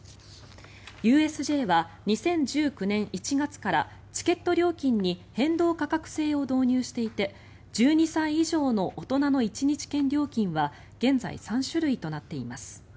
ＵＳＪは２０１９年１月からチケット料金に変動価格制を導入していて１２歳以上の大人の１日券料金は現在３種類となっています。